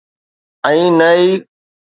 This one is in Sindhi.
۽ نه ئي.